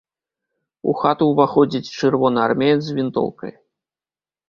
У хату ўваходзіць чырвонаармеец з вінтоўкай.